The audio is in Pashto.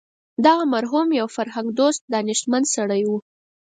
دغه مرحوم یو فرهنګ دوست دانشمند سړی و.